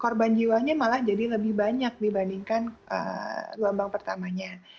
korban jiwanya malah jadi lebih banyak dibandingkan gelombang pertamanya